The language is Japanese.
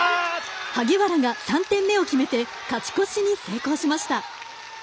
萩原が３点目を決めて勝ち越しに成功しました。